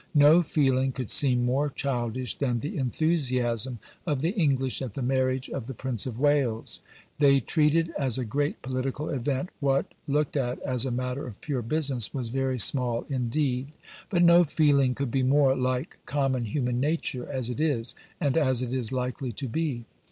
No feeling could seem more childish than the enthusiasm of the English at the marriage of the Prince of Wales. They treated as a great political event, what, looked at as a matter of pure business, was very small indeed. But no feeling could be more like common human nature as it is, and as it is likely to be.